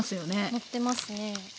載ってますね。